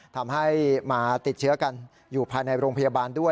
ทำให้มาติดเชื้อกันอยู่ภายในโรงพยาบาลด้วย